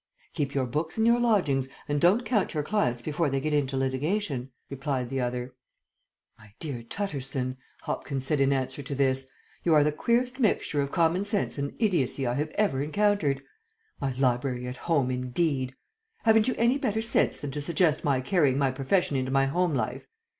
"Keep your books in your lodgings, and don't count your clients before they get into litigation," replied the other. "My dear Tutterson," Hopkins said in answer to this, "you are the queerest mixture of common sense and idiotcy I have ever encountered. My library at home, indeed! Haven't you any better sense than to suggest my carrying my profession into my home life?